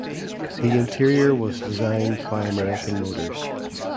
The interior was designed by American Motors.